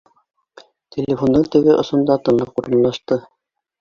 Телефондың теге осонда тынлыҡ урынлашты